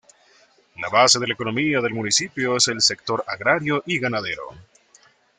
La base de la economía del municipio es el sector agrario y ganadero.